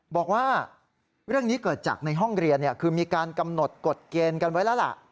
บอกว่าเรื่องนี้เกิดจากในห้องเรียนคือมีการกำหนดกฎเกณฑ์กันไว้แล้วล่ะ